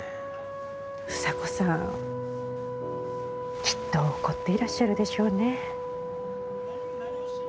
房子さんきっと怒っていらっしゃるでしょうね。